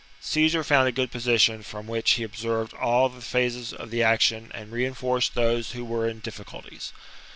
Caesar found a e^ood position,^ from which The final struggle. he observed all the phases of the action and reinforced those who were in difficulties.